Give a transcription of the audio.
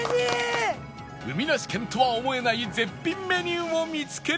海なし県とは思えない絶品メニューも見つける事に